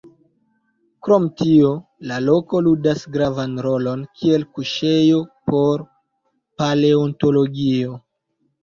Krom tio, la loko ludas gravan rolon kiel kuŝejo por paleontologio.